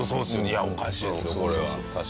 いやおかしいですよこれは。